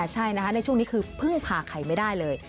ใช่นะคะในช่วงนี้คือพึ่งพาใครไม่ได้เลย